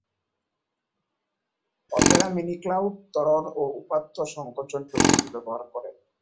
Opera Mini cloud ত্বরণ ও উপাত্ত সংকোচন প্রযুক্তি ব্যবহার করে।